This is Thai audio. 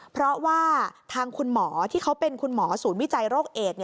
เพราะว่าทางคุณหมอที่เขาเป็นคุณหมอศูนย์วิจัยโรคเอด